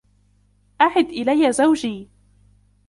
أعد إليّ زوجي!